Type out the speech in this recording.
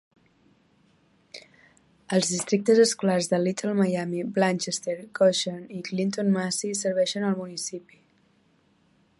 Els districtes escolars de Little Miami, Blanchester, Goshen i Clinton Massie serveixen al municipi.